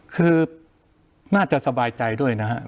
คือน่าจะสบายใจด้วยนะครับ